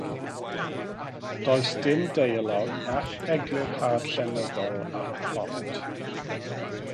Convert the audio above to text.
Does dim deialog nac eglurhad llenyddol ar y plot